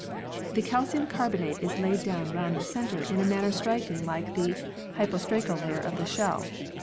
The calcium carbonate is laid down round the centre in a manner strikingly v] PEARLS like the hypostracal layer of the shell.